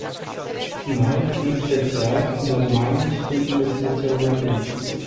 Noi, în special, germanii, știm despre ce vorbim.